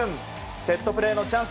セットプレーのチャンス。